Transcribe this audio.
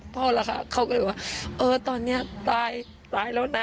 พ่อล่ะค่ะเขาก็เลยว่าเออตอนนี้ตายแล้วนะ